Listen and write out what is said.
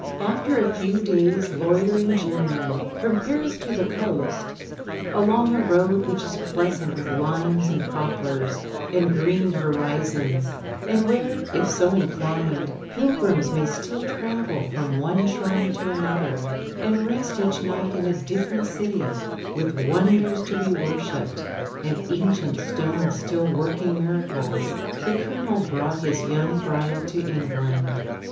Aftfr a few days' loitering journey, from Paris to the coast, along a road which is pleasant with limes and poplars, and green horizons, and where (if so inclined) pilgrims may still travel from one shrine to another, and rest each night in a different city, with wonders to be worshipped, and ancient stones still working miracles, the Colonel brought his young bride to England.